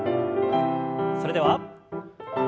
それでは１。